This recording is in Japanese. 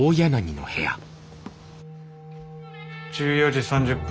１４時３０分。